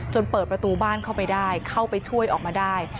เปิดประตูบ้านเข้าไปได้เข้าไปช่วยออกมาได้